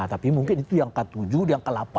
tapi mungkin itu yang ke tujuh yang ke delapan